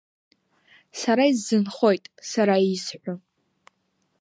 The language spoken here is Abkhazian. Сара исзынхоит сара исҳәо.